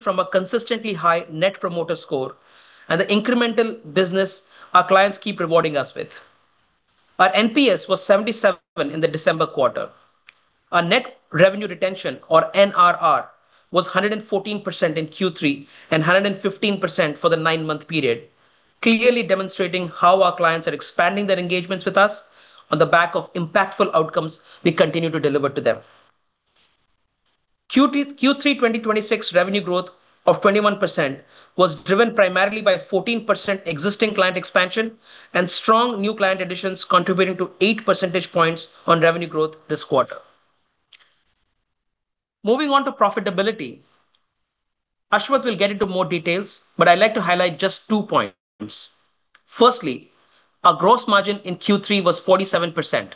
From a consistently high net promoter score and the incremental business our clients keep rewarding us with. Our NPS was 77 in the December quarter. Our net revenue retention or NRR was 114% in Q3 and 115% for the nine-month period, clearly demonstrating how our clients are expanding their engagements with us on the back of impactful outcomes we continue to deliver to them. Q3 2026 revenue growth of 21% was driven primarily by 14% existing client expansion and strong new client additions contributing to 8 percentage points on revenue growth this quarter. Moving on to profitability. Aswath will get into more details, I'd like to highlight just two points. Firstly, our gross margin in Q3 was 47%.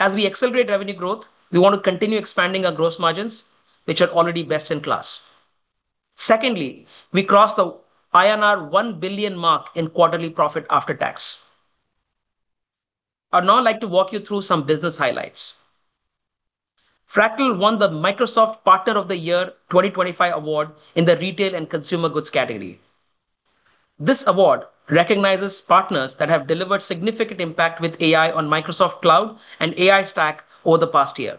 As we accelerate revenue growth, we want to continue expanding our gross margins, which are already best in class. Secondly, we crossed the INR 1 billion mark in quarterly profit after tax. I'd now like to walk you through some business highlights. Fractal won the Microsoft Partner of the Year 2025 award in the retail and consumer goods category. This award recognizes partners that have delivered significant impact with AI on Microsoft Cloud over the past year.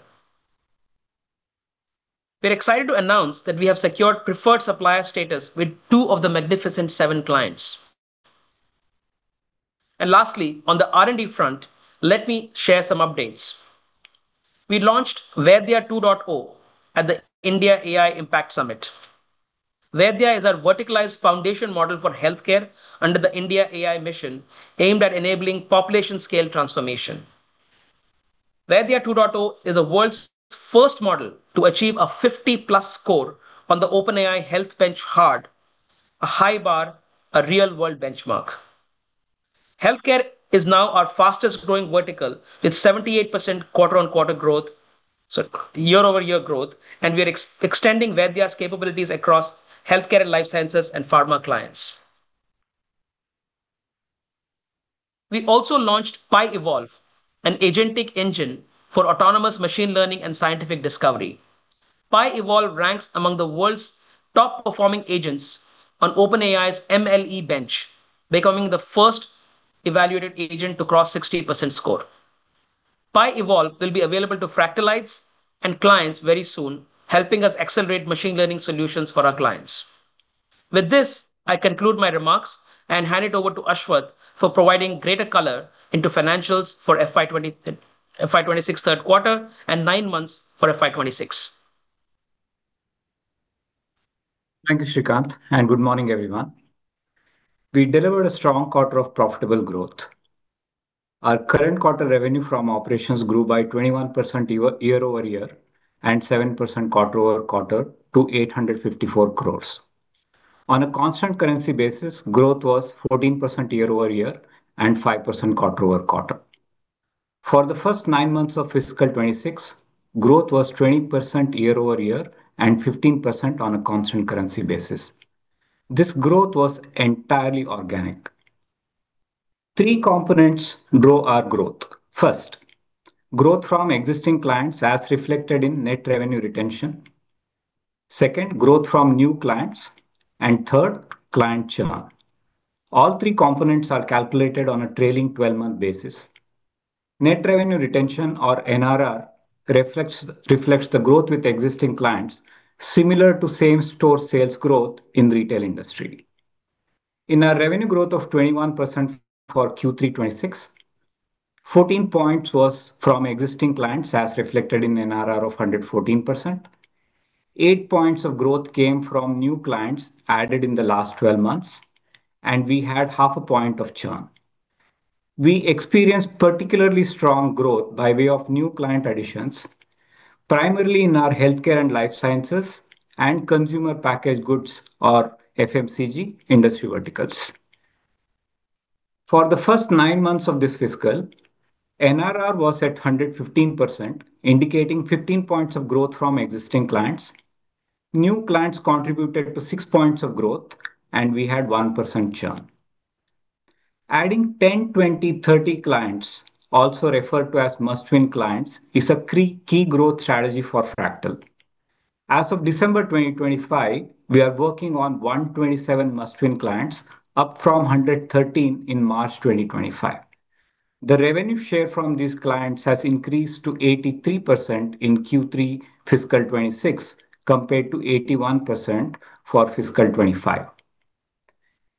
We're excited to announce that we have secured preferred supplier status with 2 of the Magnificent Seven clients. Lastly, on the R&D front, let me share some updates. We launched Vaidya 2.0 at the India AI Impact Summit. Vaidya is our verticalized foundation model for healthcare under the IndiaAI Mission aimed at enabling population scale transformation. Vaidya 2.0 is the world's first model to achieve a 50+ score on the OpenAI HealthBench Hard, a high bar, a real-world benchmark. Healthcare is now our fastest-growing vertical with 78% quarter-on-quarter growth. Year-over-year growth, we are extending Vaidya's capabilities across healthcare and life sciences and pharma clients. We also launched PiEvolve, an agentic engine for autonomous machine learning and scientific discovery. PiEvolve ranks among the world's top-performing agents on OpenAI's MLE-Bench, becoming the first evaluated agent to cross 60% score. PiEvolve will be available to Fractalites and clients very soon, helping us accelerate machine learning solutions for our clients. With this, I conclude my remarks and hand it over to Aswath for providing greater color into financials for FY 2026 third quarter and 9 months for FY 2026. Thank you, Srikanth, good morning, everyone. We delivered a strong quarter of profitable growth. Our current quarter revenue from operations grew by 21% year-over-year and 7% quarter-over-quarter to 854 crores. On a constant currency basis, growth was 14% year-over-year and 5% quarter-over-quarter. For the first nine months of fiscal 2026, growth was 20% year-over-year and 15% on a constant currency basis. This growth was entirely organic. Three components grow our growth. First, growth from existing clients as reflected in net revenue retention. Second, growth from new clients. Third, client churn. All three components are calculated on a trailing 12-month basis. Net revenue retention or NRR reflects the growth with existing clients, similar to same-store sales growth in retail industry. In our revenue growth of 21% for Q3 2026, 14 points was from existing clients, as reflected in NRR of 114%. 8 points of growth came from new clients added in the last 12 months, and we had half a point of churn. We experienced particularly strong growth by way of new client additions, primarily in our healthcare and life sciences and consumer packaged goods or FMCG industry verticals. For the first 9 months of this fiscal, NRR was at 115%, indicating 15 points of growth from existing clients. New clients contributed to 6 points of growth, and we had 1% churn. Adding 10/20/30 clients, also referred to as must-win clients, is a key growth strategy for Fractal. As of December 2025, we are working on 127 must-win clients, up from 113 in March 2025. The revenue share from these clients has increased to 83% in Q3 fiscal 2026 compared to 81% for fiscal 2025.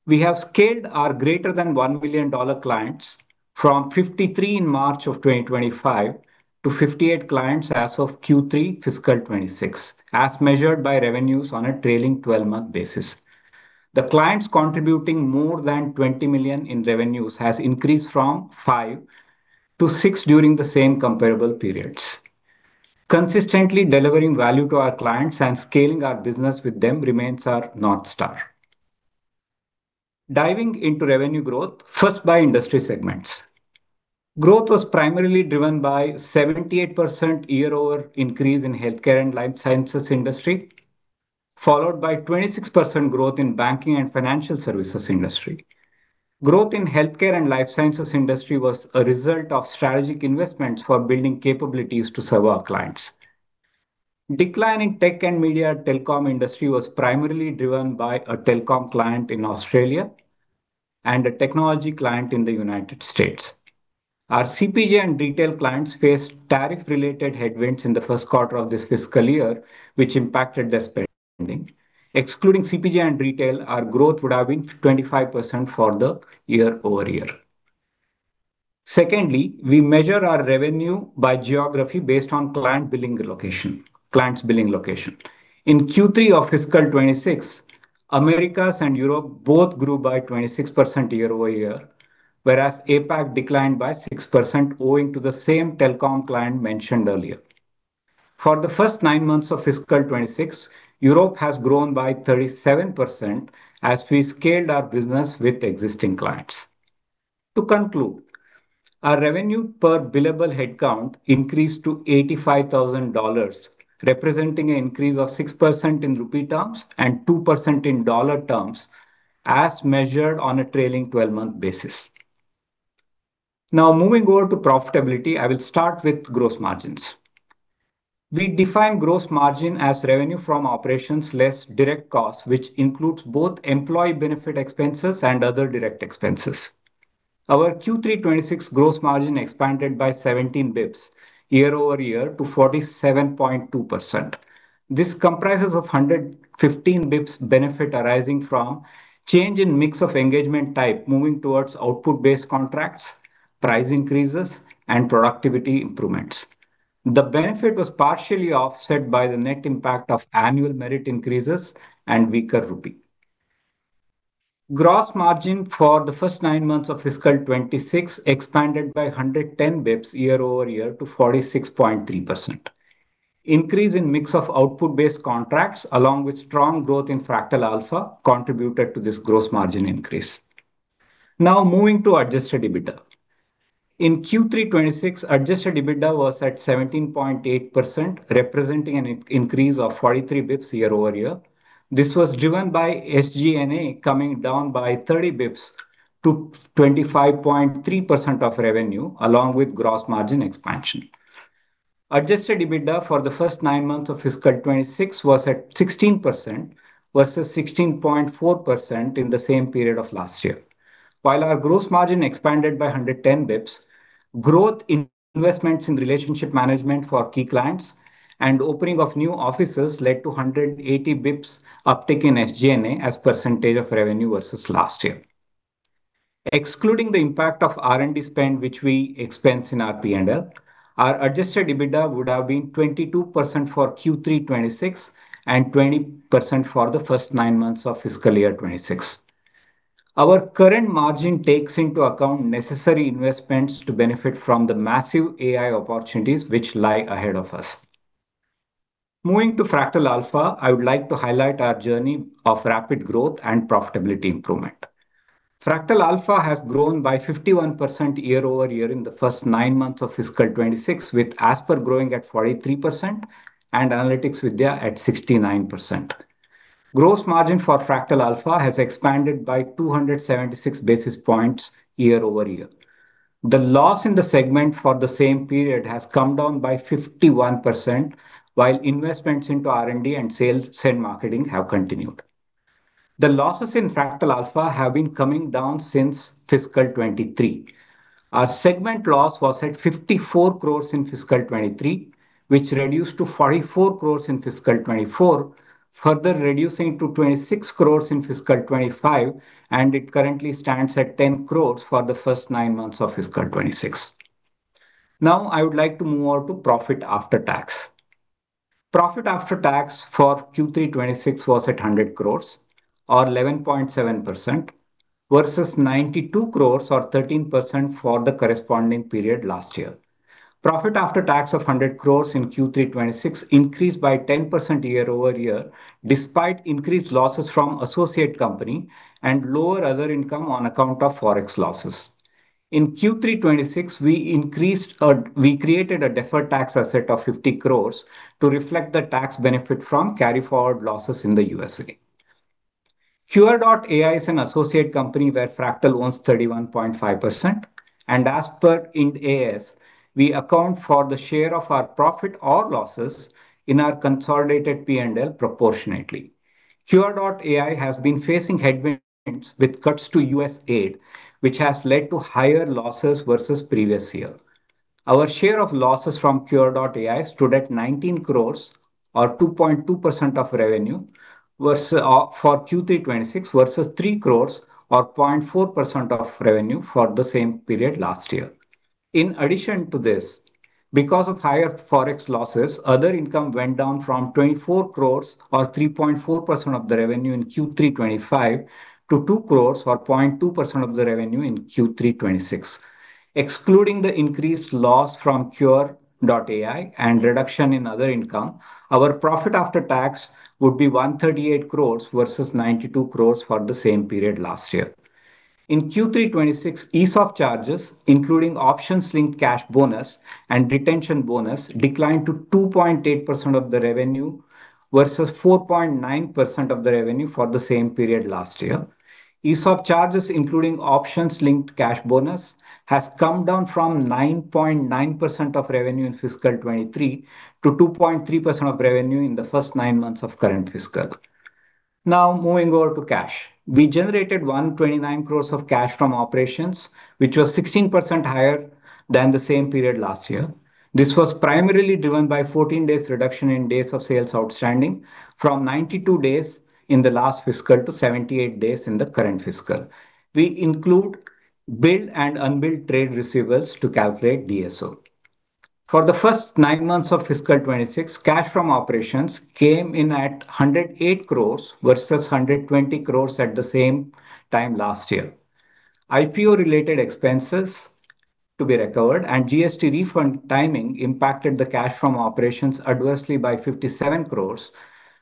We have scaled our greater than $1 billion clients from 53 in March of 2025 to 58 clients as of Q3 fiscal 2026, as measured by revenues on a trailing twelve-month basis. The clients contributing more than $20 million in revenues has increased from five to six during the same comparable periods. Consistently delivering value to our clients and scaling our business with them remains our North Star. Diving into revenue growth, first by industry segments. Growth was primarily driven by 78% year-over-year increase in healthcare and life sciences industry, followed by 26% growth in banking and financial services industry. Growth in healthcare and life sciences industry was a result of strategic investments for building capabilities to serve our clients. Decline in tech and media telecom industry was primarily driven by a telecom client in Australia and a technology client in the United States. Our CPG and retail clients faced tariff-related headwinds in the first quarter of this fiscal year, which impacted their spending. Excluding CPG and retail, our growth would have been 25% for the year-over-year. Secondly, we measure our revenue by geography based on client's billing location. In Q3 of fiscal 2026, Americas and Europe both grew by 26% year-over-year, whereas APAC declined by 6% owing to the same telecom client mentioned earlier. For the first nine months of fiscal 2026, Europe has grown by 37% as we scaled our business with existing clients. To conclude, our revenue per billable headcount increased to $85,000, representing an increase of 6% in rupee terms and 2% in dollar terms as measured on a trailing 12-month basis. Now, moving over to profitability, I will start with gross margins. We define gross margin as revenue from operations less direct costs, which includes both employee benefit expenses and other direct expenses. Our Q3 2026 gross margin expanded by 17 basis points year-over-year to 47.2%. This comprises of 115 basis points benefit arising from change in mix of engagement type moving towards output-based contracts, price increases, and productivity improvements. The benefit was partially offset by the net impact of annual merit increases and weaker rupee. Gross margin for the first 9 months of fiscal 2026 expanded by 110 basis points year-over-year to 46.3%. Increase in mix of output-based contracts along with strong growth in Fractal Alpha contributed to this gross margin increase. Moving to adjusted EBITDA. In Q3 2026, adjusted EBITDA was at 17.8%, representing an increase of 43 bps year-over-year. This was driven by SG&A coming down by 30 bps to 25.3% of revenue, along with gross margin expansion. Adjusted EBITDA for the first 9 months of fiscal 2026 was at 16% versus 16.4% in the same period of last year. While our gross margin expanded by 110 bps, growth in investments in relationship management for our key clients and opening of new offices led to 180 bps uptick in SG&A as % of revenue versus last year. Excluding the impact of R&D spend, which we expense in our P&L, our adjusted EBITDA would have been 22% for Q3 2026 and 20% for the first 9 months of fiscal year 2026. Our current margin takes into account necessary investments to benefit from the massive AI opportunities which lie ahead of us. Moving to Fractal Alpha, I would like to highlight our journey of rapid growth and profitability improvement. Fractal Alpha has grown by 51% year-over-year in the first 9 months of fiscal 2026, with Asper growing at 43% and Analytics Vidhya at 69%. Gross margin for Fractal Alpha has expanded by 276 basis points year-over-year. The loss in the segment for the same period has come down by 51%, while investments into R&D and sales and marketing have continued. The losses in Fractal Alpha have been coming down since fiscal 23. Our segment loss was at 54 crores rupees in fiscal 23, which reduced to 44 crores rupees in fiscal 24, further reducing to 26 crores rupees in fiscal 25, and it currently stands at 10 crores rupees for the first nine months of fiscal 26. I would like to move over to Profit after tax. Profit after tax for Q3 26 was at 100 crores or 11.7% versus 92 crores or 13% for the corresponding period last year. Profit after tax of 100 crores in Q3 26 increased by 10% year-over-year, despite increased losses from associate company and lower other income on account of Forex losses. In Q3 26, we created a deferred tax asset of 50 crores to reflect the tax benefit from carry-forward losses in the U.S.A. Qure.ai is an associate company where Fractal owns 31.5%. As per Ind AS, we account for the share of our profit or losses in our consolidated P&L proportionately. Qure.ai has been facing headwinds with cuts to U.S. aid, which has led to higher losses versus previous year. Our share of losses from Qure.ai stood at 19 crores or 2.2% of revenue versus for Q3 2026 versus 3 crores or 0.4% of revenue for the same period last year. In addition to this, because of higher Forex losses, other income went down from 24 crores or 3.4% of the revenue in Q3 2025 to 2 crores or 0.2% of the revenue in Q3 2026. Excluding the increased loss from Qure.ai and reduction in other income, our profit after tax would be 138 crores versus 92 crores for the same period last year. In Q3 2026, ESOP charges, including options linked cash bonus and retention bonus, declined to 2.8% of the revenue versus 4.9% of the revenue for the same period last year. ESOP charges, including options linked cash bonus, has come down from 9.9% of revenue in fiscal 2023 to 2.3% of revenue in the first nine months of current fiscal. Moving over to cash. We generated 129 crores of cash from operations, which was 16% higher than the same period last year. This was primarily driven by 14 days reduction in days of sales outstanding from 92 days in the last fiscal to 78 days in the current fiscal. We include billed and unbilled trade receivables to calculate DSO. For the first 9 months of fiscal 2026, cash from operations came in at 108 crores versus 120 crores at the same time last year. IPO-related expenses to be recovered and GST refund timing impacted the cash from operations adversely by 57 crores.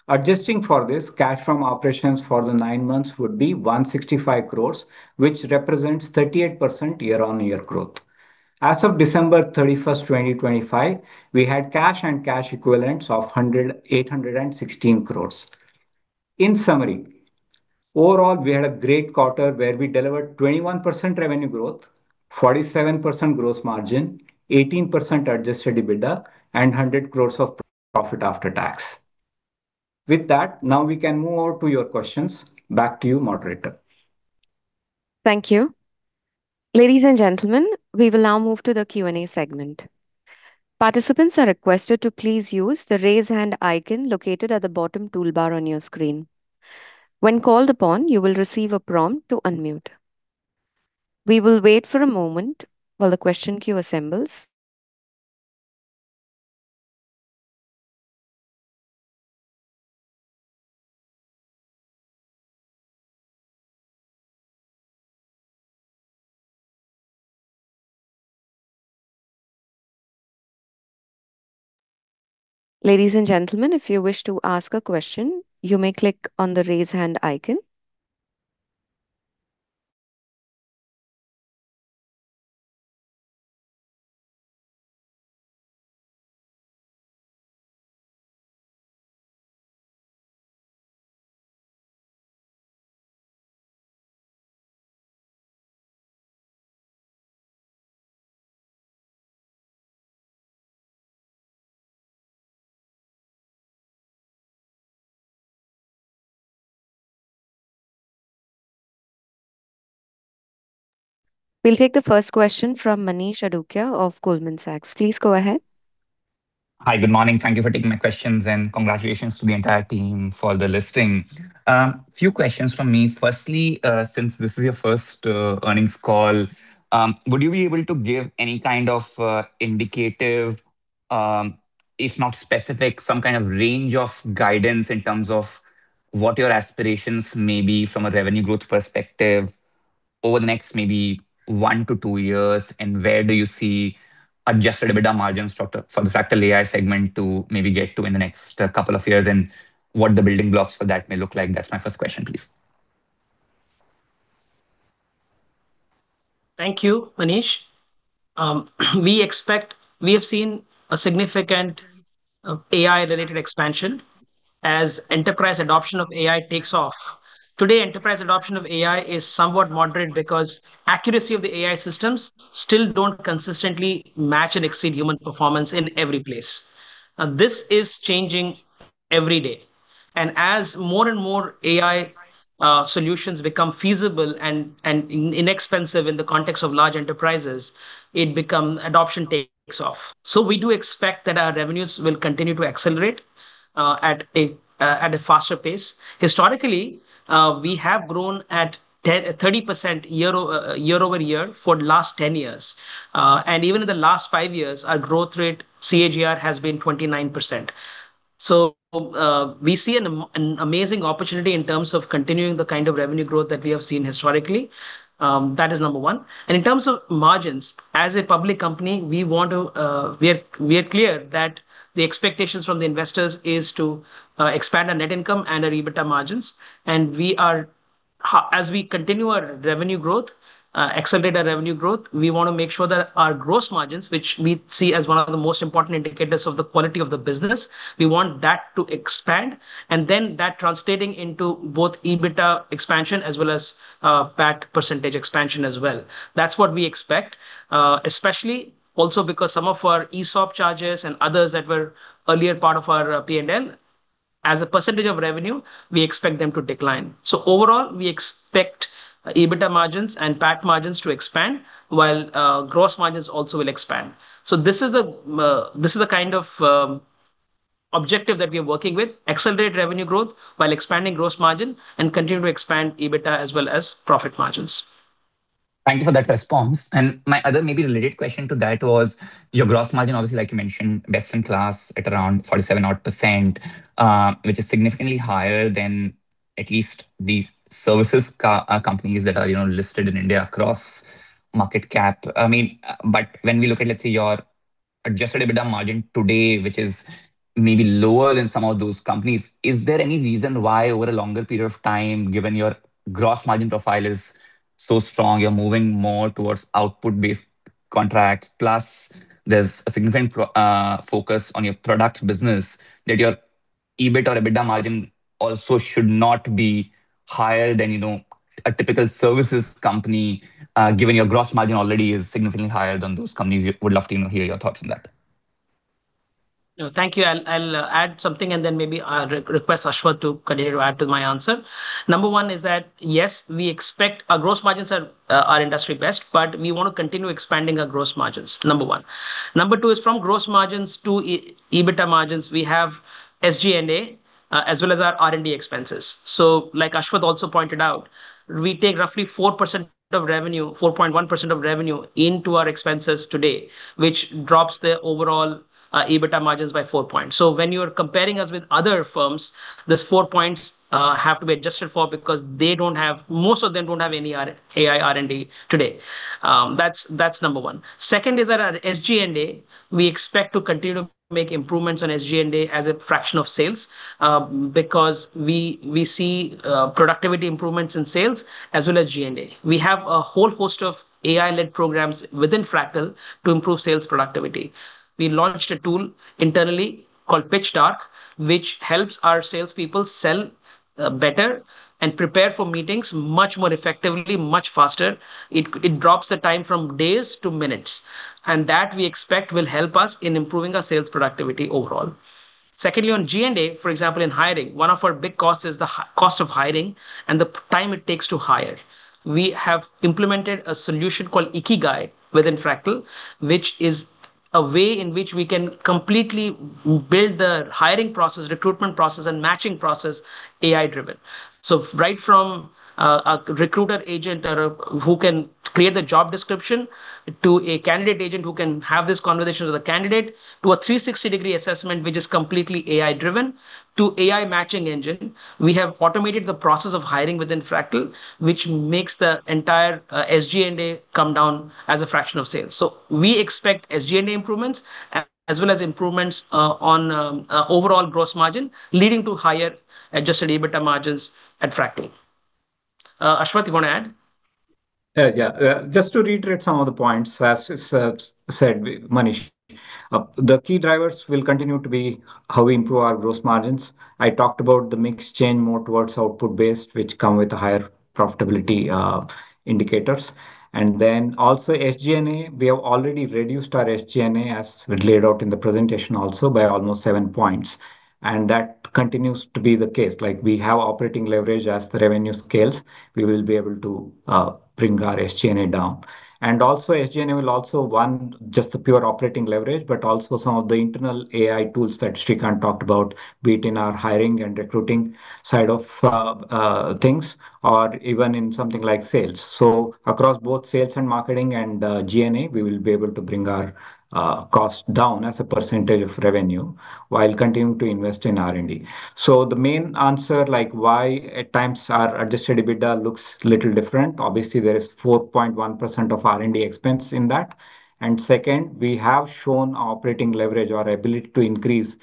Adjusting for this, cash from operations for the 9 months would be 165 crores, which represents 38% year-over-year growth. As of December 31st, 2025, we had cash and cash equivalents of 816 crores. In summary, overall, we had a great quarter where we delivered 21% revenue growth, 47% gross margin, 18% adjusted EBITDA, and 100 crores of profit after tax. With that, now we can move over to your questions. Back to you, moderator. Thank you. Ladies and gentlemen, we will now move to the Q&A segment. Participants are requested to please use the Raise Hand icon located at the bottom toolbar on your screen. When called upon, you will receive a prompt to unmute. We will wait for a moment while the question queue assembles. Ladies and gentlemen, if you wish to ask a question, you may click on the Raise Hand icon. We'll take the first question from Manish Adukia of Goldman Sachs. Please go ahead. Hi. Good morning. Thank you for taking my questions, and congratulations to the entire team for the listing. Few questions from me. Firstly, since this is your first earnings call, would you be able to give any kind of indicative, if not specific, some kind of range of guidance in terms of what your aspirations may be from a revenue growth perspective over the next 1-2 years? Where do you see adjusted EBITDA margins for the Fractal.ai segment to maybe get to in the next couple of years? What the building blocks for that may look like? That's my first question, please. Thank you, Manish. We have seen a significant AI-related expansion as enterprise adoption of AI takes off. Today, enterprise adoption of AI is somewhat moderate because accuracy of the AI systems still don't consistently match and exceed human performance in every place. This is changing every day. As more and more AI solutions become feasible and inexpensive in the context of large enterprises, adoption takes off. We do expect that our revenues will continue to accelerate at a faster pace. Historically, we have grown at 30% year-over-year for the last 10 years. Even in the last 5 years, our growth rate CAGR has been 29%. we see an amazing opportunity in terms of continuing the kind of revenue growth that we have seen historically. That is number 1. In terms of margins, as a public company, we want to. We are clear that the expectations from the investors is to expand our net income and our EBITDA margins. As we continue our revenue growth, accelerate our revenue growth, we wanna make sure that our gross margins, which we see as one of the most important indicators of the quality of the business, we want that to expand, and then that translating into both EBITDA expansion as well as PAT percentage expansion as well. That's what we expect, especially also because some of our ESOP charges and others that were earlier part of our P&L, as a % of revenue, we expect them to decline. Overall, we expect EBITDA margins and PAT margins to expand while gross margins also will expand. This is the kind of objective that we are working with. Accelerate revenue growth while expanding gross margin and continue to expand EBITDA as well as profit margins. Thank you for that response. My other maybe related question to that was your gross margin, obviously, like you mentioned, best in class at around 47 odd %, which is significantly higher than at least the services companies that are, you know, listed in India across market cap. I mean, when we look at, let's say, your adjusted EBITDA margin today, which is maybe lower than some of those companies, is there any reason why over a longer period of time, given your gross margin profile is so strong, you're moving more towards output-based contracts, plus there's a significant focus on your products business that your EBIT or EBITDA margin also should not be higher than, you know, a typical services company, given your gross margin already is significantly higher than those companies? We would love to, you know, hear your thoughts on that. No, thank you. I'll add something and then maybe re-request Aswath to continue to add to my answer. Number one is that yes, we expect our gross margins are industry best, but we wanna continue expanding our gross margins, number one. Number two is from gross margins to EBITDA margins, we have SG&A as well as our R&D expenses. like Aswath also pointed out, we take roughly 4% of revenue, 4.1% of revenue into our expenses today, which drops the overall EBITDA margins by 4 points. When you're comparing us with other firms, this 4 points have to be adjusted for because they don't have most of them don't have any AI R&D today. That's number one. Second is that our SG&A, we expect to continue to make improvements on SG&A as a fraction of sales, because we see productivity improvements in sales as well as G&A. We have a whole host of AI-led programs within Fractal to improve sales productivity. We launched a tool internally called Pitch Dark, which helps our salespeople sell better and prepare for meetings much more effectively, much faster. It drops the time from days to minutes, that we expect will help us in improving our sales productivity overall. Secondly, on G&A, for example, in hiring, one of our big costs is the cost of hiring and the time it takes to hire. We have implemented a solution called Ikigai within Fractal, which is a way in which we can completely build the hiring process, recruitment process, and matching process AI-driven. Right from a recruiter agent or who can create the job description, to a candidate agent who can have this conversation with a candidate, to a 360-degree assessment which is completely AI-driven, to AI matching engine. We have automated the process of hiring within Fractal, which makes the entire SG&A come down as a fraction of sales. We expect SG&A improvements as well as improvements on overall gross margin, leading to higher adjusted EBITDA margins at Fractal. Aswath, you wanna add? Yeah. Just to reiterate some of the points, as said, Manish. The key drivers will continue to be how we improve our gross margins. I talked about the mix change more towards output-based, which come with higher profitability indicators. Also SG&A, we have already reduced our SG&A, as we laid out in the presentation also, by almost 7 points, and that continues to be the case. We have operating leverage as the revenue scales. We will be able to bring our SG&A down. Also, SG&A will also won just the pure operating leverage, but also some of the internal AI tools that Srikanth talked about, be it in our hiring and recruiting side of things, or even in something like sales. Across both sales and marketing and G&A, we will be able to bring our costs down as a percentage of revenue while continuing to invest in R&D. The main answer, like why at times our adjusted EBITDA looks little different, obviously there is 4.1% of R&D expense in that. Second, we have shown our operating leverage, our ability to increase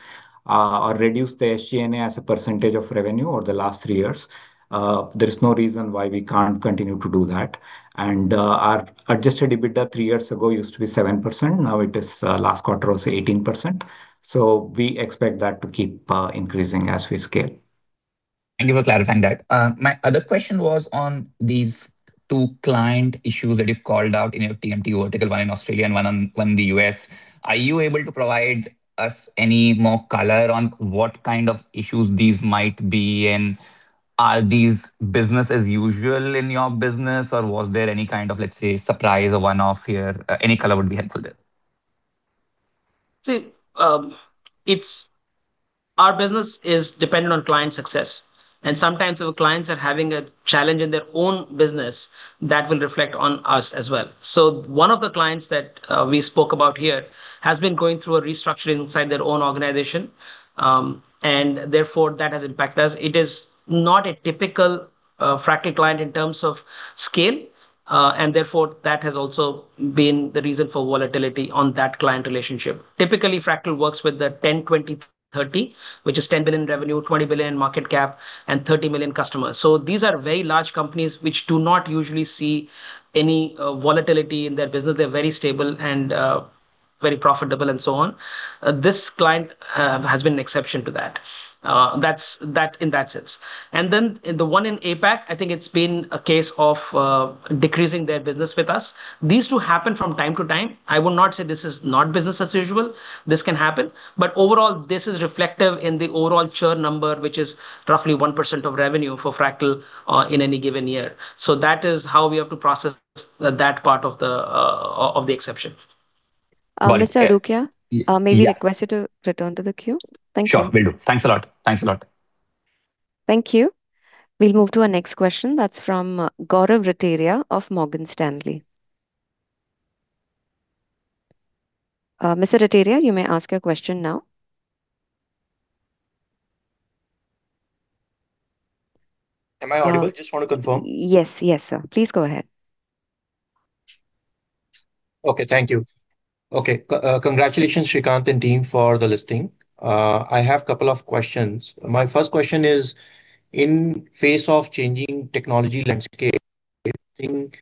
or reduce the SG&A as a percentage of revenue over the last 3 years. There is no reason why we can't continue to do that. Our adjusted EBITDA 3 years ago used to be 7%, now it is last quarter was 18%. We expect that to keep increasing as we scale. Thank you for clarifying that. My other question was on these two client issues that you've called out in your TMT vertical, one in Australia and one in the U.S. Are you able to provide us any more color on what kind of issues these might be, and are these business as usual in your business or was there any kind of, let's say, surprise or one-off here? Any color would be helpful there. See, Our business is dependent on client success, and sometimes if a client's having a challenge in their own business, that will reflect on us as well. One of the clients that we spoke about here has been going through a restructuring inside their own organization. Therefore that has impacted us. It is not a typical Fractal client in terms of scale, and therefore that has also been the reason for volatility on that client relationship. Typically, Fractal works with the 10/20/30, which is 10 billion revenue, 20 billion market cap, and 30 million customers. These are very large companies which do not usually see any volatility in their business. They're very stable and very profitable and so on. This client has been an exception to that. That's that in that sense. The one in APAC, I think it's been a case of decreasing their business with us. These two happen from time to time. I will not say this is not business as usual. This can happen. Overall, this is reflective in the overall churn number, which is roughly 1% of revenue for Fractal in any given year. That is how we have to process that part of the exception. Well- Mr. Adukia. Yeah. May I request you to return to the queue? Thank you. Sure, will do. Thanks a lot. Thanks a lot. Thank you. We'll move to our next question. That's from Gaurav Rateria of Morgan Stanley. Mr. Rateria, you may ask your question now. Am I audible? Yeah. Just want to confirm. Yes. Yes, sir. Please go ahead. Okay, thank you. Okay. Congratulations, Srikanth and team, for the listing. I have couple of questions. My first question is in face of changing technology landscape, I think,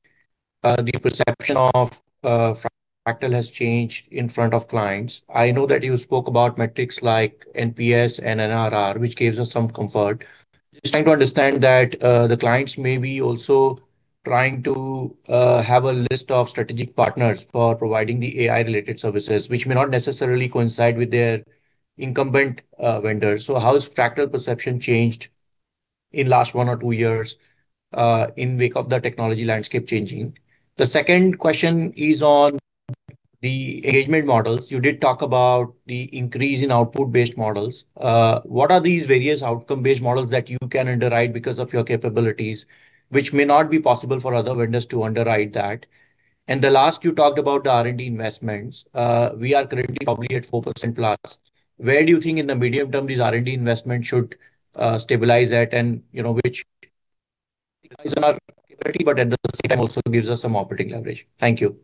the perception of Fractal has changed in front of clients. I know that you spoke about metrics like NPS and NRR, which gives us some comfort. Just trying to understand that the clients may be also trying to have a list of strategic partners for providing the AI related services, which may not necessarily coincide with their incumbent vendors. How has Fractal perception changed in last 1 or 2 years in wake of the technology landscape changing? The second question is on the engagement models. You did talk about the increase in output-based models. What are these various outcome-based models that you can underwrite because of your capabilities, which may not be possible for other vendors to underwrite that? The last, you talked about the R&D investments. We are currently probably at 4% plus. Where do you think in the medium term these R&D investments should stabilize at? You know, which but at the same time also gives us some operating leverage. Thank you.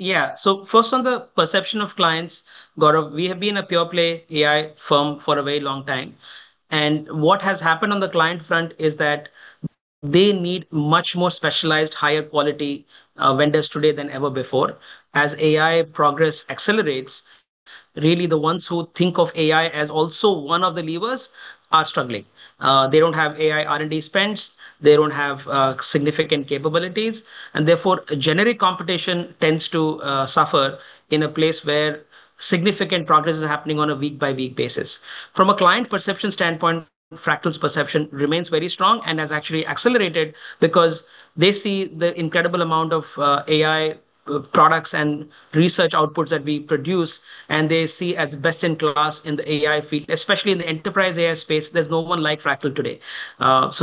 First, on the perception of clients, Gaurav, we have been a pure play AI firm for a very long time. What has happened on the client front is that they need much more specialized, higher quality vendors today than ever before. As AI progress accelerates, really the ones who think of AI as also one of the levers are struggling. They don't have AI R&D spends. They don't have significant capabilities. Therefore, a generic competition tends to suffer in a place where significant progress is happening on a week-by-week basis. From a client perception standpoint, Fractal's perception remains very strong and has actually accelerated because they see the incredible amount of AI products and research outputs that we produce. They see as best in class in the AI field. Especially in the enterprise AI space, there's no one like Fractal today.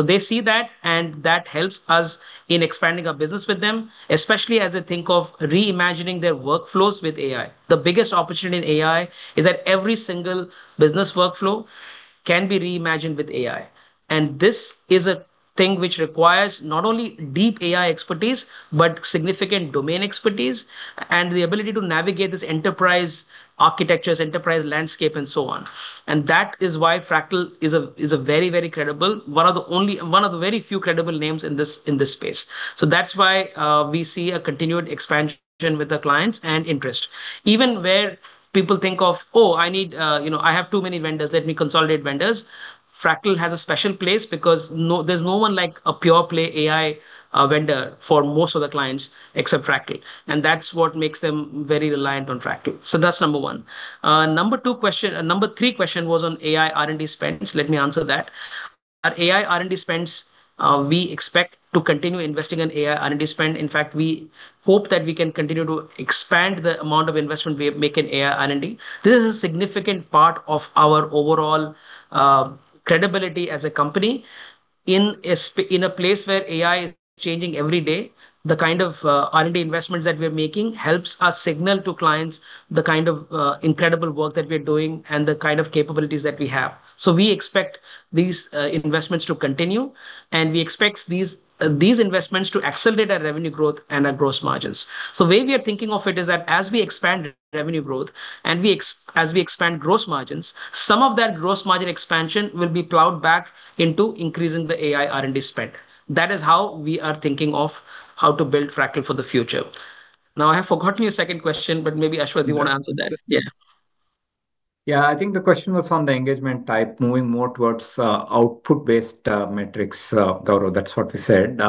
They see that, and that helps us in expanding our business with them, especially as they think of reimagining their workflows with AI. The biggest opportunity in AI is that every single business workflow can be reimagined with AI. This is a thing which requires not only deep AI expertise, but significant domain expertise and the ability to navigate this enterprise architectures, enterprise landscape, and so on. That is why Fractal is a very, very credible, one of the very few credible names in this, in this space. That's why we see a continued expansion with the clients and interest. Even where people think of, "Oh, I need, you know, I have too many vendors, let me consolidate vendors," Fractal has a special place because there's no one like a pure play AI vendor for most of the clients except Fractal. That's what makes them very reliant on Fractal. That's number one. Number three question was on AI R&D spends. Let me answer that. Our AI R&D spends, we expect to continue investing in AI R&D spend. In fact, we hope that we can continue to expand the amount of investment we make in AI R&D. This is a significant part of our overall credibility as a company. In a place where AI is changing every day, the kind of R&D investments that we're making helps us signal to clients the kind of incredible work that we're doing and the kind of capabilities that we have. We expect these investments to continue, and we expect these investments to accelerate our revenue growth and our gross margins. The way we are thinking of it is that as we expand revenue growth, and as we expand gross margins, some of that gross margin expansion will be plowed back into increasing the AI R&D spend. That is how we are thinking of how to build Fractal for the future. I have forgotten your second question, but maybe Aswath, you wanna answer that. Yeah. Yeah. I think the question was on the engagement type, moving more towards output-based metrics, Gaurav. That's what we said.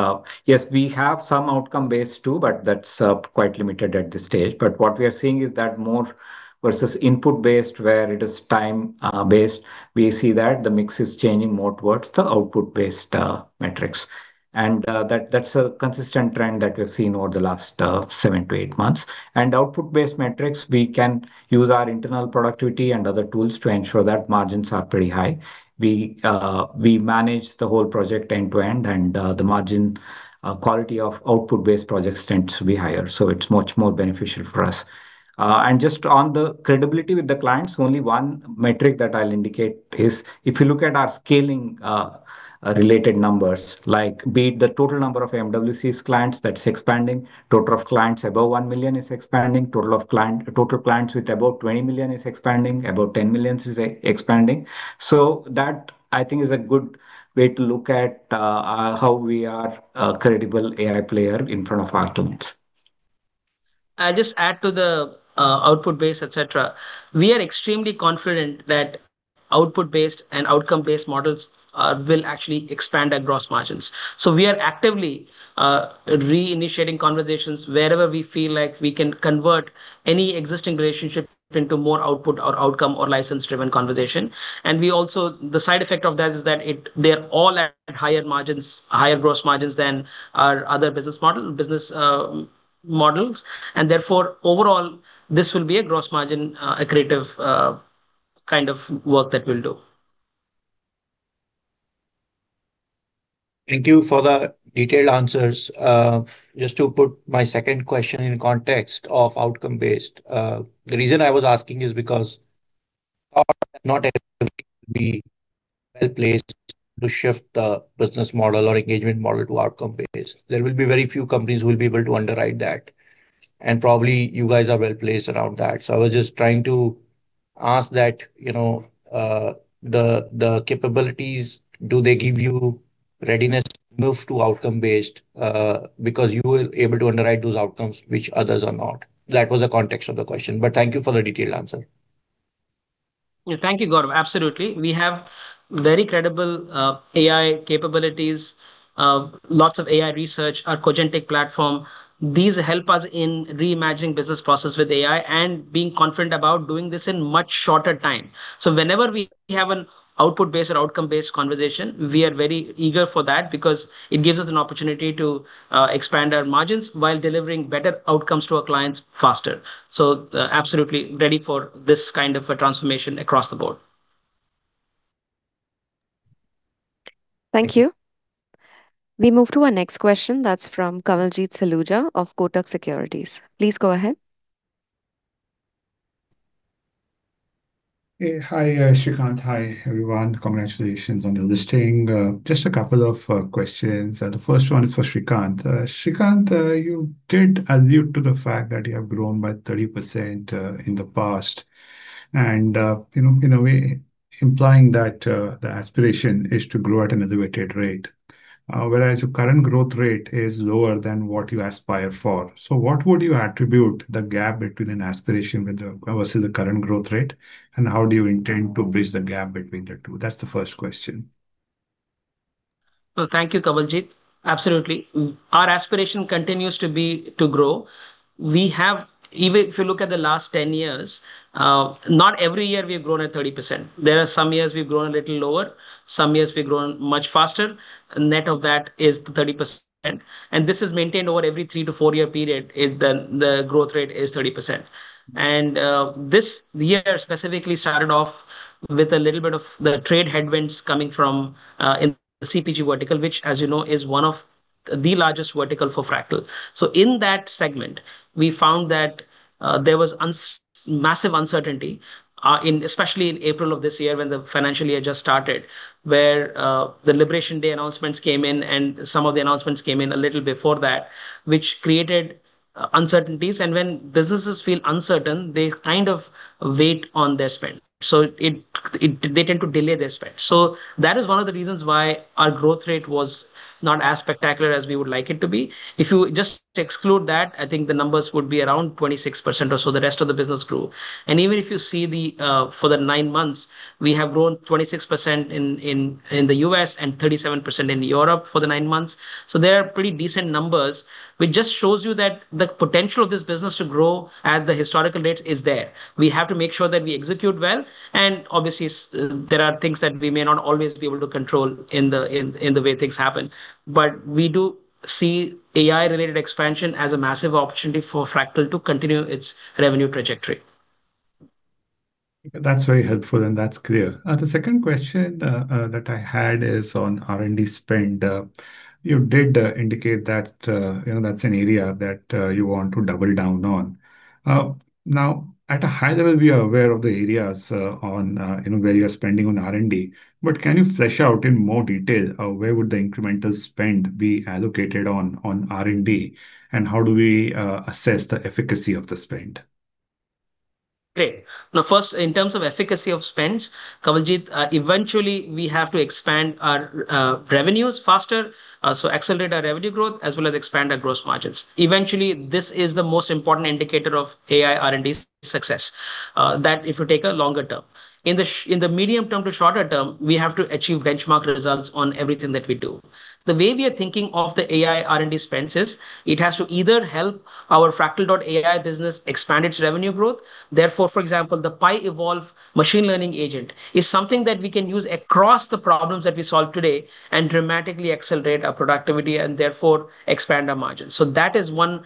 Yes, we have some outcome-based too, but that's quite limited at this stage. What we are seeing is that more versus input-based, where it is time based, we see that the mix is changing more towards the output-based metrics. That's a consistent trend that we've seen over the last 7-8 months. Output-based metrics, we can use our internal productivity and other tools to ensure that margins are pretty high. We manage the whole project end to end, the margin quality of output-based projects tends to be higher, so it's much more beneficial for us. Just on the credibility with the clients, only one metric that I'll indicate is if you look at our scaling related numbers, like be it the total number of MWC clients that's expanding. Total of clients above $1 million is expanding. Total clients with above $20 million is expanding. Above $10 million is expanding. That, I think, is a good way to look at how we are a credible AI player in front of our clients. I'll just add to the output-based, et cetera. We are extremely confident that output-based and outcome-based models will actually expand our gross margins. We are actively reinitiating conversations wherever we feel like we can convert any existing relationship into more output or outcome or license-driven conversation. The side effect of that is that they're all at higher margins, higher gross margins than our other business model, business models. Therefore, overall, this will be a gross margin accretive kind of work that we'll do. Thank you for the detailed answers. Just to put my second question in context of outcome-based. The reason I was asking is because not everybody will be well-placed to shift the business model or engagement model to outcome-based. There will be very few companies who will be able to underwrite that, and probably you guys are well-placed around that. I was just trying to ask that, you know, the capabilities, do they give you readiness move to outcome based, because you will able to underwrite those outcomes which others are not. That was the context of the question, thank you for the detailed answer. Yeah, thank you, Gaurav. Absolutely. We have very credible AI capabilities, lots of AI research, our Cogentic platform. These help us in reimagining business process with AI and being confident about doing this in much shorter time. Whenever we have an output-based or outcome-based conversation, we are very eager for that because it gives us an opportunity to expand our margins while delivering better outcomes to our clients faster. Absolutely ready for this kind of a transformation across the board. Thank you. We move to our next question. That's from Kawaljeet Saluja of Kotak Securities. Please go ahead. Hey. Hi, Srikanth. Hi, everyone. Congratulations on the listing. Just a couple of questions. The first one is for Srikanth. Srikanth, you did allude to the fact that you have grown by 30% in the past and, you know, in a way implying that the aspiration is to grow at an elevated rate. Whereas your current growth rate is lower than what you aspire for. What would you attribute the gap between an aspiration versus the current growth rate, and how do you intend to bridge the gap between the two? That's the first question. Well, thank you, Kawaljeet. Absolutely. Our aspiration continues to be to grow. Even if you look at the last 10 years, not every year we have grown at 30%. There are some years we've grown a little lower, some years we've grown much faster. Net of that is the 30%. This year specifically started off with a little bit of the trade headwinds coming from in the CPG vertical, which as you know, is one of the largest vertical for Fractal. In that segment, we found that there was massive uncertainty, especially in April of this year when the financial year just started, where the Liberation Day announcements came in, and some of the announcements came in a little before that, which created uncertainties. When businesses feel uncertain, they kind of wait on their spend. They tend to delay their spend. That is one of the reasons why our growth rate was not as spectacular as we would like it to be. If you just exclude that, I think the numbers would be around 26% or so the rest of the business grew. Even if you see the for the 9 months, we have grown 26% in the U.S. And 37% in Europe for the 9 months. They are pretty decent numbers, which just shows you that the potential of this business to grow at the historical rates is there. We have to make sure that we execute well, and obviously there are things that we may not always be able to control in the way things happen. We do see AI-related expansion as a massive opportunity for Fractal to continue its revenue trajectory. That's very helpful, and that's clear. The second question that I had is on R&D spend. You did indicate that, you know, that's an area that you want to double down on. Now, at a high level, we are aware of the areas on, you know, where you are spending on R&D. Can you flesh out in more detail, where would the incremental spend be allocated on R&D, and how do we assess the efficacy of the spend? Great. Now, first, in terms of efficacy of spends, Kamaljit, eventually we have to expand our revenues faster, so accelerate our revenue growth, as well as expand our gross margins. Eventually, this is the most important indicator of AI R&D's success, that if you take a longer term. In the medium term to shorter term, we have to achieve benchmark results on everything that we do. The way we are thinking of the AI R&D spends is, it has to either help our Fractal.ai business expand its revenue growth. Therefore, for example, the PiEvolve machine learning agent is something that we can use across the problems that we solve today and dramatically accelerate our productivity and therefore expand our margins. That is one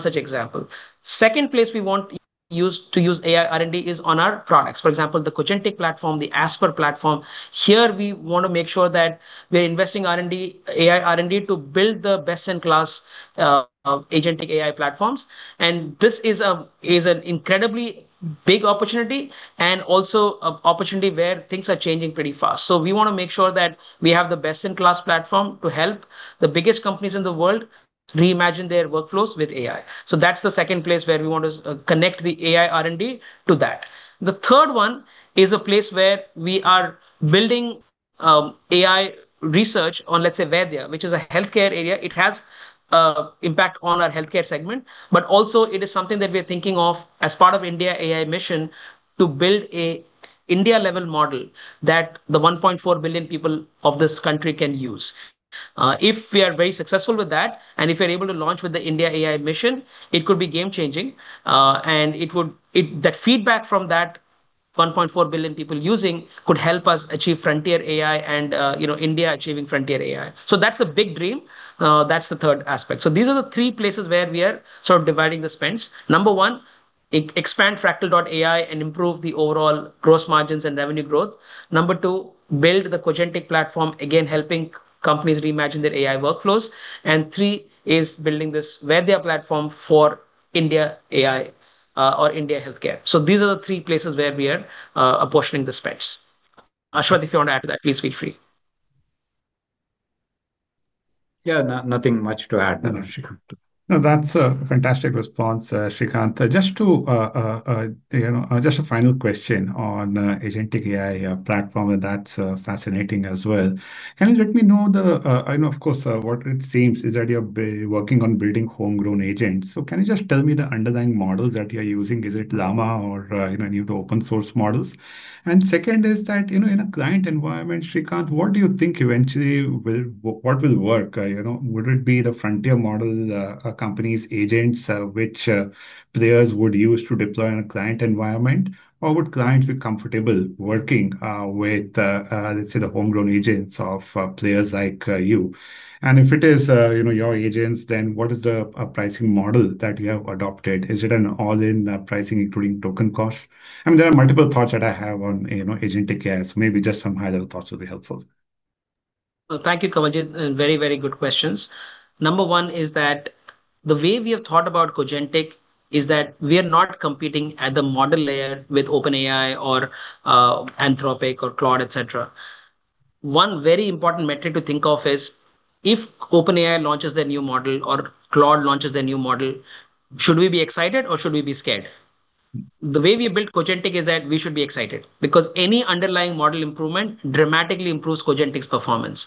such example. Second place we want to use AI R&D is on our products. For example, the Cogentic platform, the Asper platform. Here, we wanna make sure that we're investing R&D AI R&D to build the best-in-class agentic AI platforms. This is an incredibly big opportunity and also a opportunity where things are changing pretty fast. We wanna make sure that we have the best-in-class platform to help the biggest companies in the world reimagine their workflows with AI. That's the second place where we want to connect the AI R&D to that. The third one is a place where we are building AI research on, let's say, Vaidya, which is a healthcare area. It has impact on our healthcare segment, also it is something that we are thinking of as part of IndiaAI Mission to build a India-level model that the 1.4 billion people of this country can use. If we are very successful with that, and if we are able to launch with the IndiaAI Mission, it could be game-changing. And That feedback from that 1.4 billion people using could help us achieve frontier AI and, you know, India achieving frontier AI. That's a big dream. That's the third aspect. These are the 3 places where we are sort of dividing the spends. Number 1, expand Fractal.ai and improve the overall gross margins and revenue growth. Number 2, build the Cogentic platform, again, helping companies reimagine their AI workflows. And 3 is building this Vaidya platform for India AI, or India healthcare. These are the 3 places where we are apportioning the spends. Aswath, if you want to add to that, please feel free. No, nothing much to add there, Srikanth. No, that's a fantastic response, Srikanth. Just to you know, just a final question on agentic AI platform, that's fascinating as well. Can you let me know the I know, of course, what it seems is that you're working on building homegrown agents. Can you just tell me the underlying models that you're using? Is it Llama or, you know, any of the open source models? Second is that, you know, in a client environment, Srikanth, what do you think eventually what will work? you know, would it be the frontier model companies agents, which players would use to deploy in a client environment? Or would clients be comfortable working with, let's say the homegrown agents of players like you? If it is, you know, your agents, then what is the pricing model that you have adopted? Is it an all-in pricing, including token costs? There are multiple thoughts that I have on, you know, agentic AI, maybe just some high-level thoughts would be helpful. Well, thank you, Kavojit, very, very good questions. Number 1 is that the way we have thought about Cogentic is that we are not competing at the model layer with OpenAI or Anthropic or Claude, et cetera. One very important metric to think of is if OpenAI launches their new model or Claude launches their new model, should we be excited or should we be scared? The way we built Cogentic is that we should be excited because any underlying model improvement dramatically improves Cogentic's performance.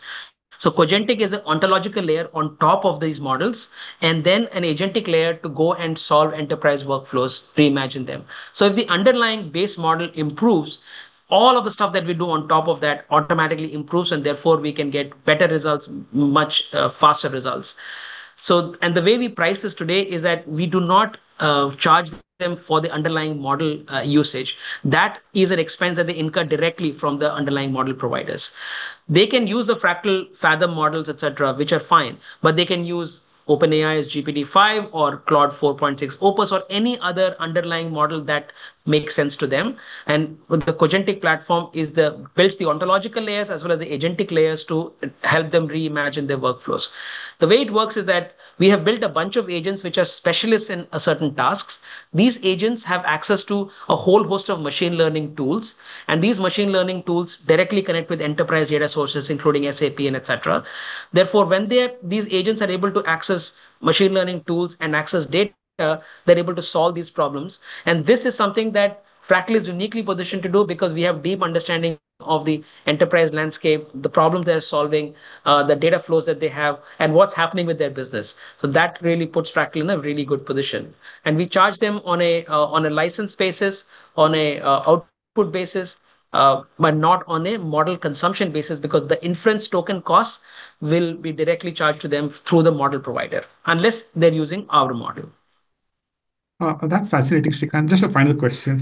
Cogentic is an ontological layer on top of these models, and then an agentic layer to go and solve enterprise workflows, reimagine them. If the underlying base model improves, all of the stuff that we do on top of that automatically improves, and therefore we can get better results, much faster results. The way we price this today is that we do not charge them for the underlying model usage. That is an expense that they incur directly from the underlying model providers. They can use the Fractal Fathom models, et cetera, which are fine, but they can use OpenAI's GPT-5 or Claude Opus 4.6 or any other underlying model that makes sense to them. With the Cogentic platform builds the ontological layers as well as the agentic layers to help them reimagine their workflows. The way it works is that we have built a bunch of agents which are specialists in certain tasks. These agents have access to a whole host of machine learning tools. These machine learning tools directly connect with enterprise data sources, including SAP and et cetera. Therefore, when these agents are able to access machine learning tools and access data, they're able to solve these problems. This is something that Fractal is uniquely positioned to do because we have deep understanding of the enterprise landscape, the problems they're solving, the data flows that they have, and what's happening with their business. That really puts Fractal in a really good position. We charge them on a license basis, on a output basis, but not on a model consumption basis because the inference token costs will be directly charged to them through the model provider, unless they're using our model. That's fascinating, Srikanth. Just a final question,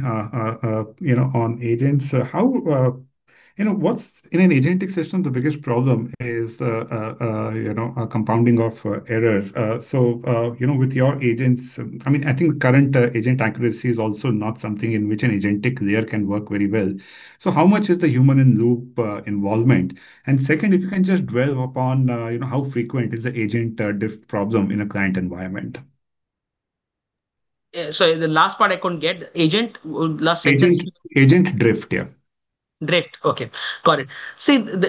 you know, on agents. In an agentic system, the biggest problem is, you know, compounding of errors. So, you know, with your agents, I mean, I think current agent accuracy is also not something in which an agentic layer can work very well. How much is the human-in-loop involvement? Second, if you can just dwell upon, you know, how frequent is the agent drift problem in a client environment? Yeah. Sorry, the last part I couldn't get. Agent, agent drift. Yeah. Drift. Okay, got it.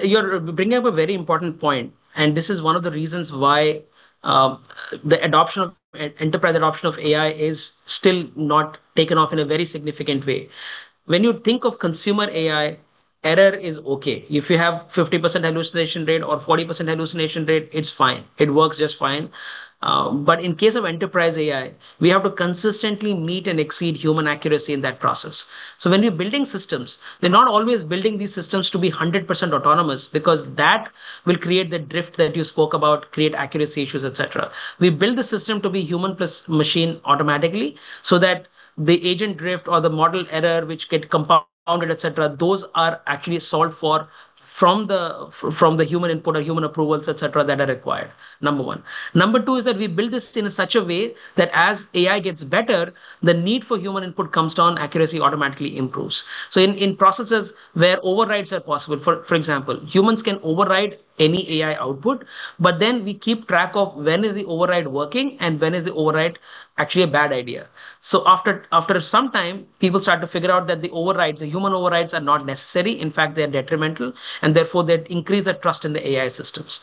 You're bringing up a very important point, this is one of the reasons why the enterprise adoption of AI is still not taken off in a very significant way. When you think of consumer AI, error is okay. If you have 50% hallucination rate or 40% hallucination rate, it's fine. It works just fine. In case of enterprise AI, we have to consistently meet and exceed human accuracy in that process. When we're building systems, they're not always building these systems to be 100% autonomous because that will create the drift that you spoke about, create accuracy issues, et cetera. We build the system to be human plus machine automatically so that the agent drift or the model error which get compounded, et cetera, those are actually solved for from the human input or human approvals, et cetera, that are required, number 1. Number 2 is that we build this in such a way that as AI gets better, the need for human input comes down. Accuracy automatically improves. In processes where overrides are possible, for example, humans can override any AI output, but then we keep track of when is the override working and when is the override actually a bad idea. After some time, people start to figure out that the overrides, the human overrides, are not necessary, in fact, they're detrimental, and therefore they increase the trust in the AI systems.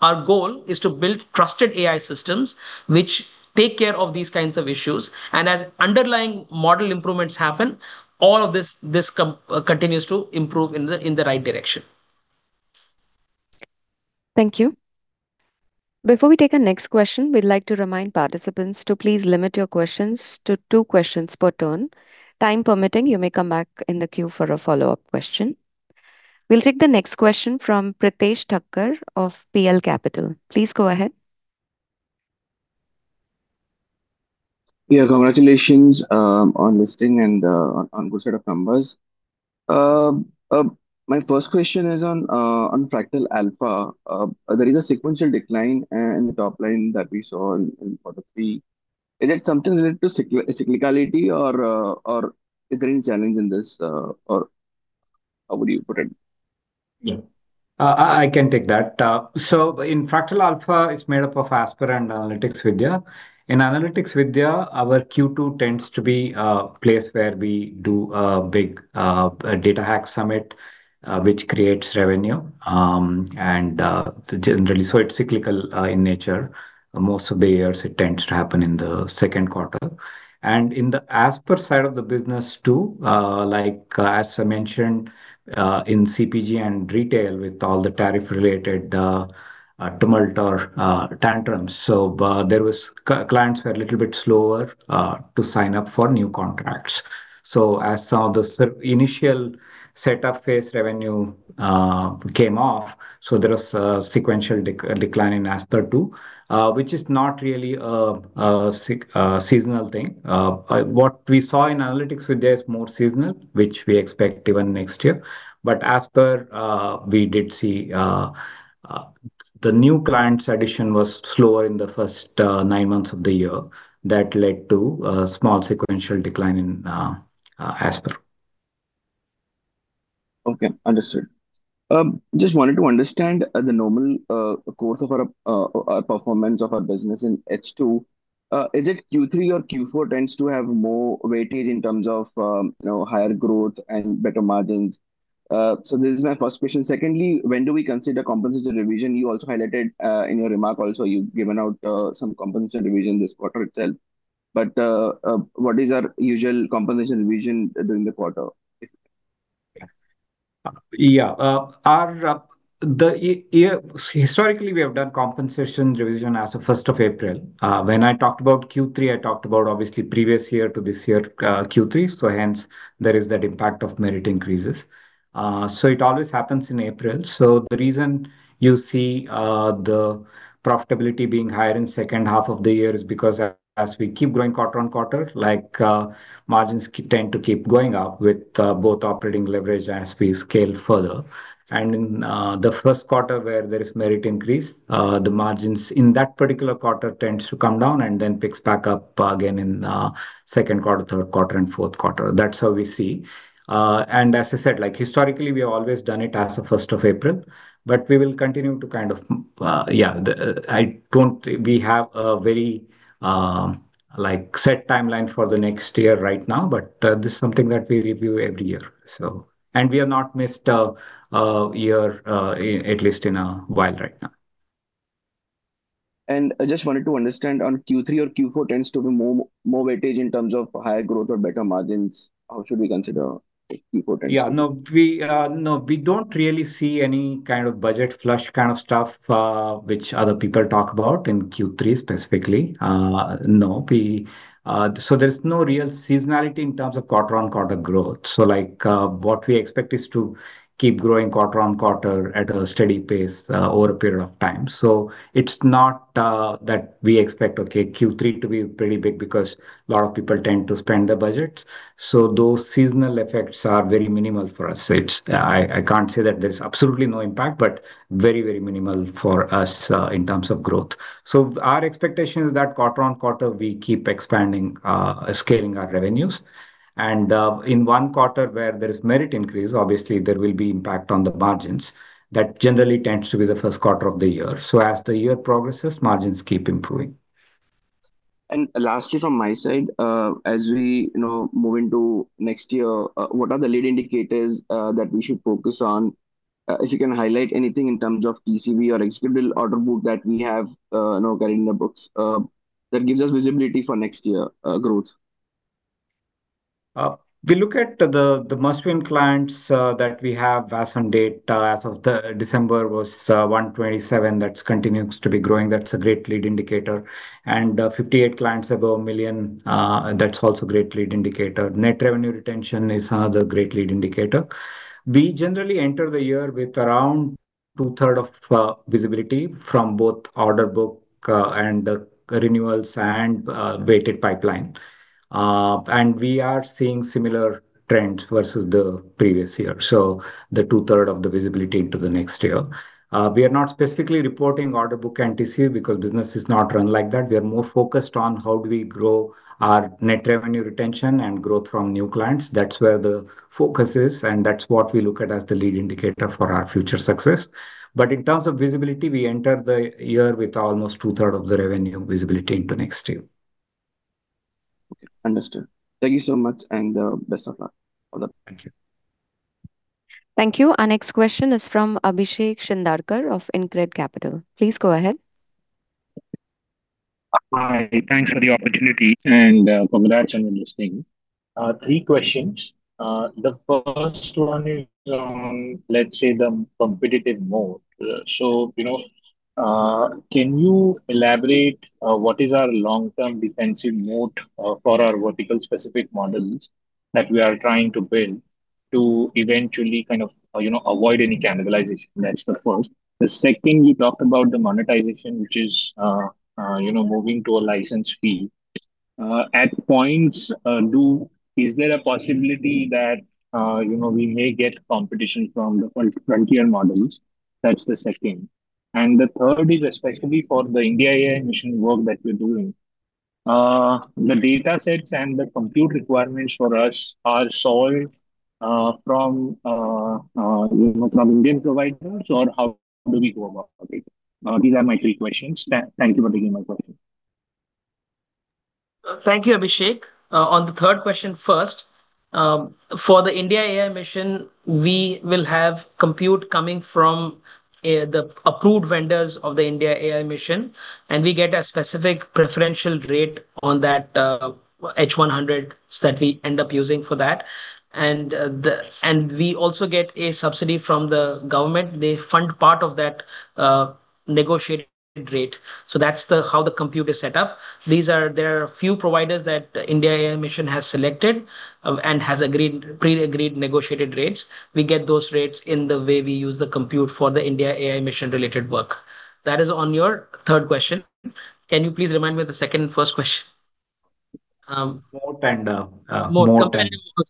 Our goal is to build trusted AI systems which take care of these kinds of issues, and as underlying model improvements happen, all of this continues to improve in the right direction. Thank you. Before we take our next question, we'd like to remind participants to please limit your questions to two questions per turn. Time permitting, you may come back in the queue for a follow-up question. We'll take the next question from Pritesh Thakkar of PL Capital. Please go ahead. Yeah. Congratulations, on listing and on good set of numbers. My first question is on Fractal Alpha. There is a sequential decline in the top line that we saw in quarter three. Is it something related to cyclicality or is there any challenge in this? How would you put it? Yeah. I can take that. In Fractal Alpha, it's made up of Asper and Analytics Vidhya. In Analytics Vidhya, our Q2 tends to be a place where we do a big DataHack Summit, which creates revenue. It's cyclical in nature. Most of the years it tends to happen in the second quarter. In the Asper side of the business too, as I mentioned, in CPG and retail with all the tariff-related tumult or tantrums. Clients were a little bit slower to sign up for new contracts. As some of the initial set up phase revenue came off, there was a sequential decline in Asper too, which is not really a seasonal thing. What we saw in Analytics Vidhya is more seasonal, which we expect even next year. Asper, we did see the new clients addition was slower in the first 9 months of the year. That led to a small sequential decline in Asper. Okay. Understood. Just wanted to understand the normal course of our performance of our business in H2. Is it Q3 or Q4 tends to have more weightage in terms of, you know, higher growth and better margins? This is my first question. Secondly, when do we consider compensation revision? You also highlighted in your remark also, you've given out some compensation revision this quarter itself. What is our usual compensation revision during the quarter? Our year. Historically, we have done compensation revision as of 1st of April. When I talked about Q3, I talked about obviously previous year to this year, Q3. Hence, there is that impact of merit increases. It always happens in April. The reason you see the profitability being higher in 2nd half of the year is because as we keep growing quarter on quarter, like, margins tend to keep going up with both operating leverage as we scale further. In the 1st quarter where there is merit increase, the margins in that particular quarter tends to come down, and then picks back up again in 2nd quarter, 3rd quarter and 4th quarter. That's how we see. As I said, like historically we have always done it as the 1st of April, but we will continue to kind of. Yeah. We have a very, like set timeline for the next year right now, but this is something that we review every year, so. We have not missed a year, at least in a while right now. I just wanted to understand on Q3 or Q4 tends to be more weightage in terms of higher growth or better margins. How should we consider Q4. Yeah. No, we don't really see any kind of budget flush kind of stuff, which other people talk about in Q3 specifically. No, we... there's no real seasonality in terms of quarter-on-quarter growth. Like, what we expect is to keep growing quarter on quarter at a steady pace over a period of time. It's not that we expect, okay, Q3 to be pretty big because a lot of people tend to spend their budgets. Those seasonal effects are very minimal for us. I can't say that there's absolutely no impact, but very, very minimal for us in terms of growth. Our expectation is that quarter on quarter we keep expanding, scaling our revenues. In one quarter where there is merit increase, obviously there will be impact on the margins. That generally tends to be the first quarter of the year. As the year progresses, margins keep improving. Lastly from my side, as we, you know, move into next year, what are the lead indicators that we should focus on? If you can highlight anything in terms of TCV or executable order book that we have, you know, carrying in the books, that gives us visibility for next year, growth. We look at the must-win clients that we have as on date. As of the December was 127. That continues to be growing. That's a great lead indicator. 58 clients above 1 million, that's also great lead indicator. Net revenue retention is another great lead indicator. We generally enter the year with around two third of visibility from both order book and renewals and weighted pipeline. We are seeing similar trends versus the previous year. The two third of the visibility into the next year. We are not specifically reporting order book and TCV because business is not run like that. We are more focused on how do we grow our net revenue retention and growth from new clients. That's where the focus is, and that's what we look at as the lead indicator for our future success. In terms of visibility, we enter the year with almost two third of the revenue visibility into next year. Okay. Understood. Thank you so much, and best of luck for that. Thank you. Thank you. Our next question is from Abhishek Shindadkar of InCred Capital. Please go ahead. Hi. Thanks for the opportunity, and congrats on listing. Three questions. The first one is on, let's say, the competitive mode. So, you know, can you elaborate what is our long-term defensive mode for our vertical specific models that we are trying to build to eventually kind of, you know, avoid any cannibalization? That's the first. The second, you talked about the monetization, which is, you know, moving to a license fee. At points, is there a possibility that, you know, we may get competition from the frontier models? That's the second. The third is specifically for the IndiaAI Mission work that you're doing. The data sets and the compute requirements for us are solved, you know, from Indian providers, or how do we go about that? These are my three questions. Thank you for taking my question. Thank you, Abhishek. On the third question first, for the IndiaAI Mission, we will have compute coming from the approved vendors of the IndiaAI Mission, and we get a specific preferential rate on that H100s that we end up using for that. We also get a subsidy from the government. They fund part of that negotiated rate. That's how the compute is set up. There are a few providers that IndiaAI Mission has selected and has pre-agreed negotiated rates. We get those rates in the way we use the compute for the IndiaAI Mission-related work. That is on your third question. Can you please remind me of the second and first question? Moat and. Moat.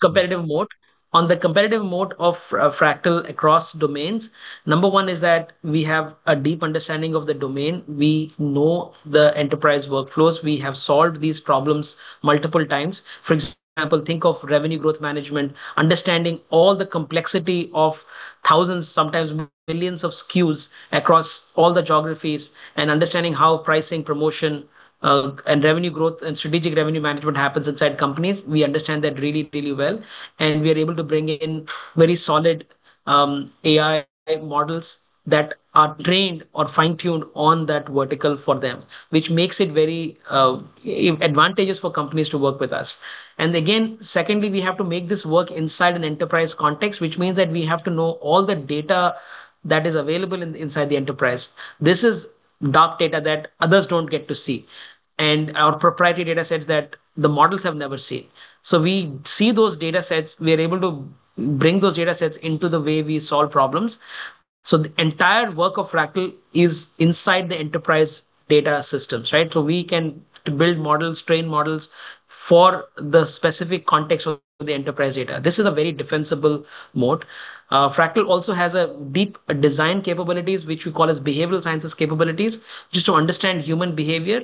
Competitive moat. On the competitive moat of Fractal across domains, number 1 is that we have a deep understanding of the domain. We know the enterprise workflows. We have solved these problems multiple times. For example, think of revenue growth management, understanding all the complexity of thousands, sometimes millions of SKUs across all the geographies, and understanding how pricing, promotion and revenue growth and strategic revenue management happens inside companies. We understand that really, really well, and we are able to bring in very solid AI models that are trained or fine-tuned on that vertical for them, which makes it very advantageous for companies to work with us. Again, secondly, we have to make this work inside an enterprise context, which means that we have to know all the data that is available inside the enterprise. This is dark data that others don't get to see, and our proprietary data sets that the models have never seen. We see those data sets. We are able to bring those data sets into the way we solve problems. The entire work of Fractal is inside the enterprise data systems, right? We can build models, train models for the specific context of the enterprise data. This is a very defensible moat. Fractal also has a deep design capabilities, which we call as behavioral sciences capabilities, just to understand human behavior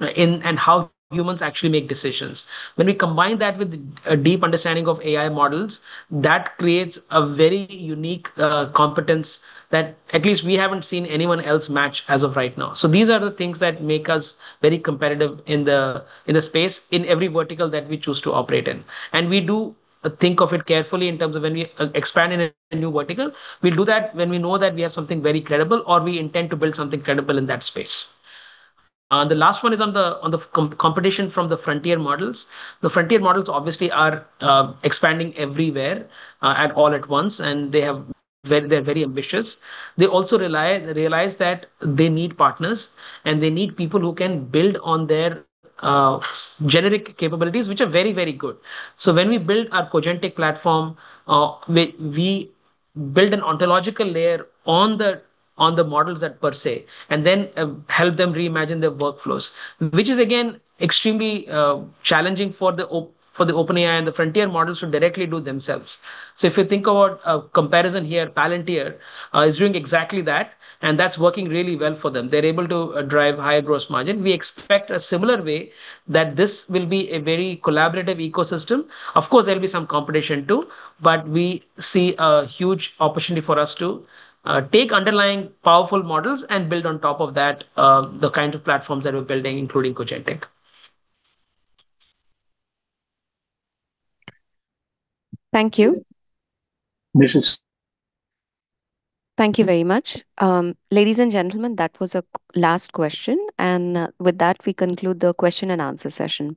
and how humans actually make decisions. When we combine that with a deep understanding of AI models, that creates a very unique competence that at least we haven't seen anyone else match as of right now. These are the things that make us very competitive in the, in the space in every vertical that we choose to operate in. We do think of it carefully in terms of when we expand in a new vertical. We'll do that when we know that we have something very credible or we intend to build something credible in that space. The last one is on the competition from the frontier models. The frontier models obviously are expanding everywhere and all at once, and they're very ambitious. They also realize that they need partners, and they need people who can build on their generic capabilities, which are very, very good. When we built our Cogentic platform, we build an ontological layer on the models at per se, and then help them reimagine their workflows, which is again extremely challenging for the OpenAI and the frontier models to directly do themselves. If you think about a comparison here, Palantir is doing exactly that, and that's working really well for them. They're able to drive higher gross margin. We expect a similar way that this will be a very collaborative ecosystem. Of course, there'll be some competition too, but we see a huge opportunity for us to take underlying powerful models and build on top of that, the kind of platforms that we're building, including Cogentic. Thank you. This is- Thank you very much. Ladies and gentlemen, that was the last question. With that, we conclude the question and answer session.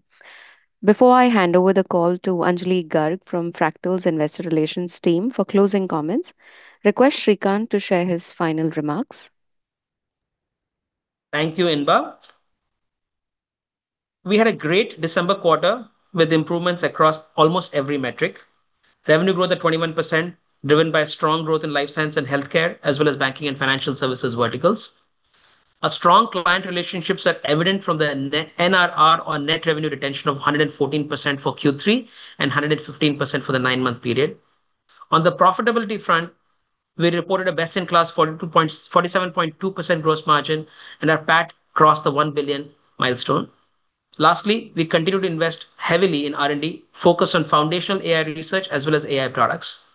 Before I hand over the call to Anjali Garg from Fractal's Investor Relations team for closing comments, request Srikanth to share his final remarks. Thank you, Inba. We had a great December quarter with improvements across almost every metric. Revenue growth at 21%, driven by strong growth in life science and healthcare, as well as banking and financial services verticals. Our strong client relationships are evident from the N-NRR or net revenue retention of 114% for Q3, and 115% for the 9-month period. On the profitability front, we reported a best-in-class 47.2% gross margin, and our PAT crossed the $1 billion milestone. Lastly, we continue to invest heavily in R&D, focused on foundational AI research as well as AI products.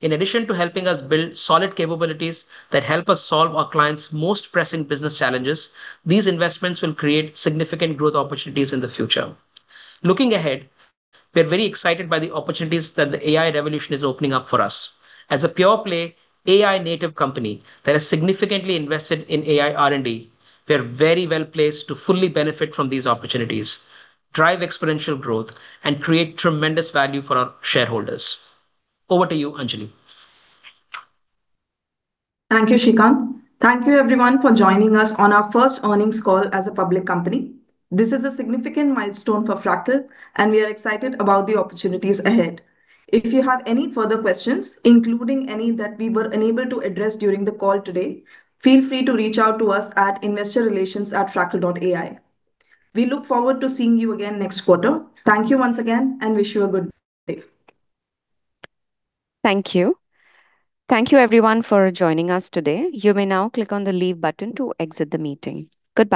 In addition to helping us build solid capabilities that help us solve our clients' most pressing business challenges, these investments will create significant growth opportunities in the future. Looking ahead, we're very excited by the opportunities that the AI revolution is opening up for us. As a pure-play AI-native company that has significantly invested in AI R&D, we are very well-placed to fully benefit from these opportunities, drive exponential growth, and create tremendous value for our shareholders. Over to you, Anjali. Thank you, Srikanth. Thank you everyone for joining us on our first earnings call as a public company. This is a significant milestone for Fractal, and we are excited about the opportunities ahead. If you have any further questions, including any that we were unable to address during the call today, feel free to reach out to us at investorrelations@fractal.ai. We look forward to seeing you again next quarter. Thank you once again, and wish you a good day. Thank you. Thank you everyone for joining us today. You may now click on the Leave button to exit the meeting. Goodbye